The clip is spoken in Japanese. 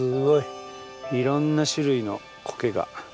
いろんな種類のコケが。